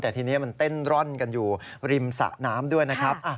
แต่ทีนี้มันเต้นร่อนกันอยู่ริมสะน้ำด้วยนะครับ